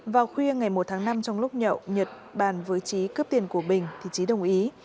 vào khuya ngày một tháng năm trong lúc nhậu nhật bàn với trí cướp tiền của bình thì trí đồng ý